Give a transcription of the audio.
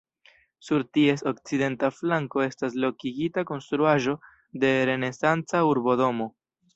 Sur ties okcidenta flanko estas lokigita konstruaĵo de renesanca urbodomo.